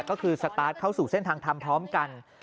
ก็คือสตาร์ทเข้าสู่เส้นทางทำพร้อมกัน